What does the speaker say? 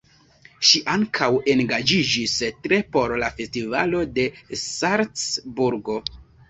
Ŝi ankaŭ engaĝiĝis tre por la Festivalo de Salcburgo.